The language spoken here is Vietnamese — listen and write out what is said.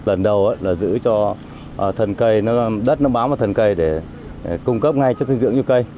lần đầu là giữ cho đất nó bám vào thần cây để cung cấp ngay chất sinh dưỡng cho cây